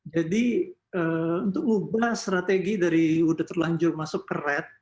untuk mengubah strategi dari udah terlanjur masuk ke red